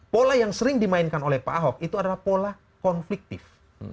pola yang sering dimainkan oleh pak ahok itu adalah pola konfliktif